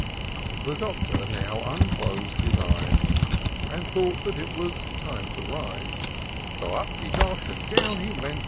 The Doctor now unclos'd his eyes. And thought that it was time to rise : So up he got, and down he went.